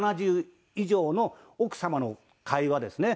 ７０以上の奥様の会話ですね。